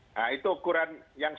nah itu ukuran yang